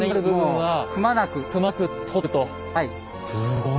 はい。